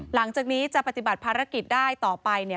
หลังจากนี้จะปฏิบัติภารกิจได้ต่อไปเนี่ย